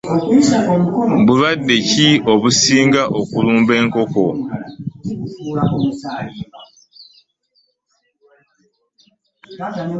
Bulwadde ki obusinga okulumba enkoko?